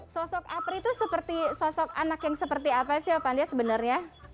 sosok apri itu seperti sosok anak yang seperti apa sih opandea sebenarnya